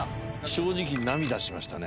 正直涙しましたね